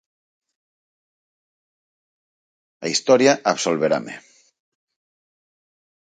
A historia absolverame.